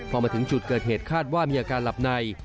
พอมาถึงจุดเกิดเหตุคาดว่ามีอาการหลับใน